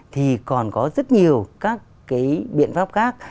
thì còn có rất nhiều các biện pháp khác